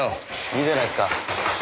いいじゃないすか。